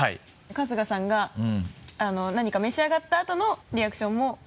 春日さんが何か召し上がったあとのリアクションも。